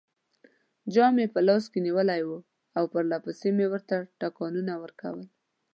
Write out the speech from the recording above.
جال مې په لاس کې نیولی وو او پرلپسې مې ورته ټکانونه ورکول.